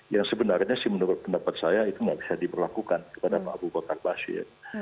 yang sebenarnya sih menurut pendapat saya itu nggak bisa diberlakukan kepada pak abu bakar basir